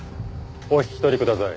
お引き取りください。